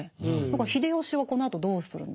秀吉はこのあとどうするんですか？